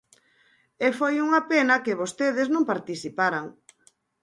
E foi unha pena que vostedes non participaran.